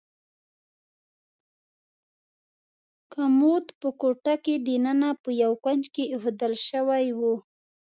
کمود په کوټه کې دننه په یو کونج کې ایښودل شوی و.